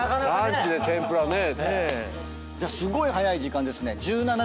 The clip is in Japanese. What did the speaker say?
じゃあすごい早い時間ですね。